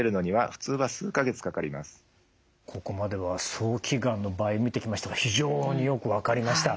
ここまでは早期がんの場合見てきましたが非常によく分かりました。